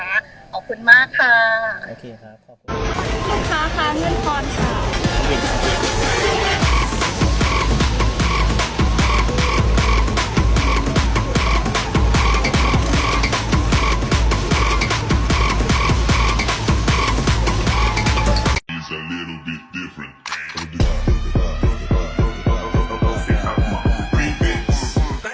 ขอบคุณมากค่ะ